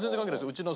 うちの。